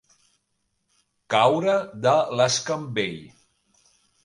Caure de l'escambell.